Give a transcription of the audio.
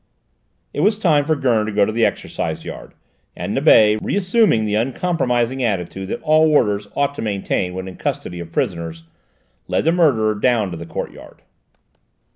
It was time for Gurn to go to the exercise yard, and Nibet, reassuming the uncompromising attitude that all warders ought to maintain when in custody of prisoners, led the murderer down to the courtyard.